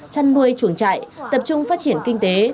chăn nuôi chuồng trại tập trung phát triển kinh tế